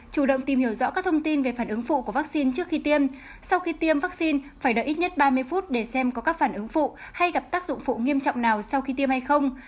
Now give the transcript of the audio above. chủ động tìm hiểu rõ các thông tin về phản ứng phụ của vaccine trước khi tiêm sau khi tiêm vaccine phải đợi ít nhất ba mươi phút để xem có các phản ứng phụ hay gặp tác dụng phụ nghiêm trọng nào sau khi tiêm hay không